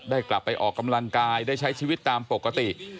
ได้กลับไปออกกำลังกายได้ใช้ชีวิตตามปกติ